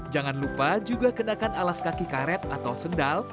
jangan lupa juga kenakan alas kaki karet atau sendal